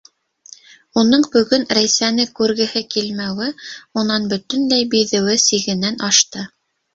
Уның бөгөн Рәйсәне күргеһе килмәүе, унан бөтөнләй биҙеүе сигенән ашты.